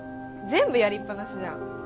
全部やりっぱなしじゃん。